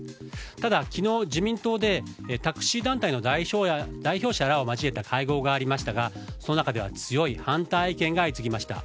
ただ昨日、自民党でタクシー団体の代表者らを交えた会合がありましたが、その中では強い反対意見が相次ぎました。